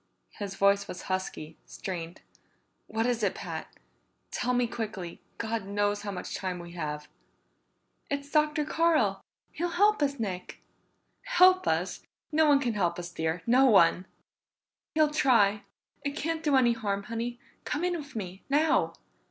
His voice was husky, strained. "What is it, Pat? Tell me quickly God knows how much time we have!" "It's Dr. Carl. He'll help us, Nick." "Help us! No one can help us, dear. No one!" "He'll try. It can't do any harm, Honey. Come in with me. Now!"